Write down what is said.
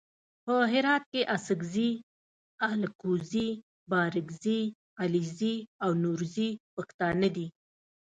په هرات کې اڅګزي الکوزي بارګزي علیزي او نورزي پښتانه دي.